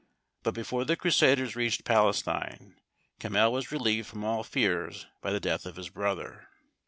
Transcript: But before the Crusaders reached Palestine, Camhel was relieved from all fears by the death of his brother.